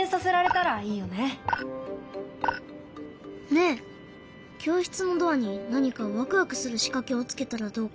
ねえ教室のドアに何かワクワクするしかけをつけたらどうかな？